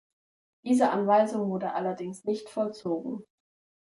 Diese Anweisung wurde allerdings nicht vollzogen.